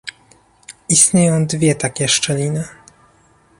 Istnieją dwie takie szczeliny